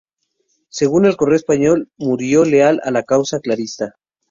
Según "El Correo Español", murió leal a la causa carlista.